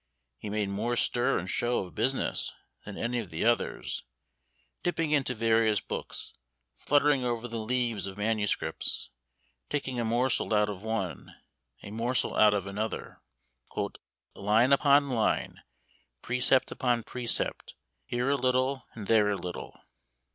He made more stir and show of business than any of the others; dipping into various books, fluttering over the leaves of manuscripts, taking a morsel out of one, a morsel out of another, "line upon line, precept upon precept, here a little and there a little."